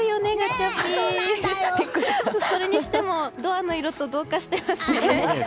それにしてもドアの色と同化してますね。